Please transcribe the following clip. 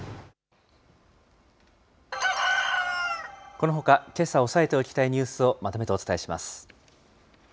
このほか、けさ押さえておきたいニュースを、まとめてお伝えします。